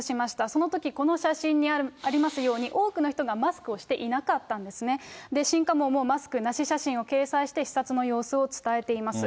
そのとき、この写真にありますように、多くの人がマスクをしていなかったんですね。もマスクなし写真を掲載して、視察の様子を伝えています。